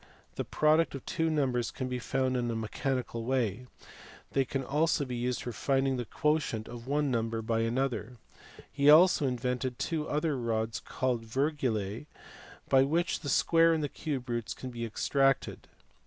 the product of two numbers can be found in a mechanical way; they can be also used for finding the quotient of one number by another: he also invented two other rods called "virgulae" by which square and cube roots can be extracted.